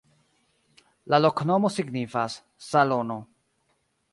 La loknomo signifas: salono.